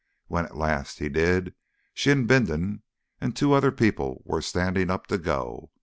When at last he did, she and Bindon and two other people were standing up to go.